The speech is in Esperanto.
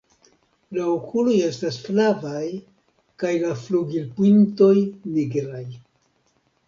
La okuloj estas flavaj kaj la flugilpintoj nigraj.